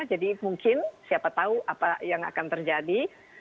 jadi mungkin siapa tahu apa yang akan terjadi